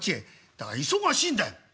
「だから忙しいんだよ」。